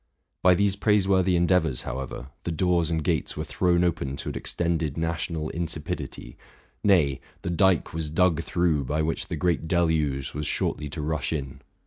By these praiseworthy endeavors, however, the doors and gates were thrown open to an extended national insipidity, nay, —the dike was dug through by which the great deluge was shortly to rush in.